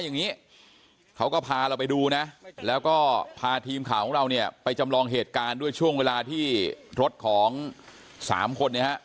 เนี้ยไปจำลองเหตุการณ์ด้วยช่วงเวลาที่รถของสามคนเนี้ยฮะ